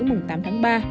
mùng tám tháng ba